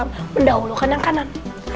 mendaulukan yang kanan